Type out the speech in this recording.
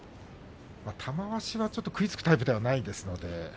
玉鷲はちょっと食いつくタイプではありません。